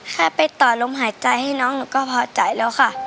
ถ้าไปต่อลมหายใจให้น้องหนูก็พอใจแล้วค่ะ